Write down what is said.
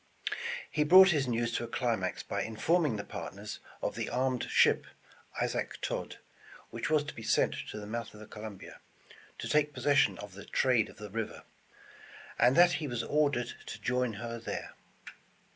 He brought his news to a climax by informing the partners of the armed ship, Isaac Todd, which was to be sent to the mouth of the Columbia, to take pos session of the trade of the river, and that he was or dered to join her there.